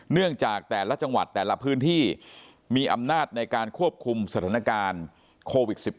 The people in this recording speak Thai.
เนื่องจากแต่ละจังหวัดแต่ละพื้นที่มีอำนาจในการควบคุมสถานการณ์โควิด๑๙